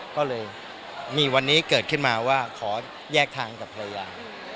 ก็เลยมีวันนี้เกิดขึ้นมาว่าขอแยกทางกับภรรยา